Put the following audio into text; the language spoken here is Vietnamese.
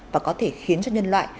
và có thể khiến cho nhân loại